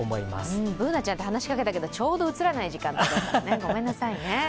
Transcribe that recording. Ｂｏｏｎａちゃんと話しかけたけどちょうど映らない時間ですねごめんなさいね。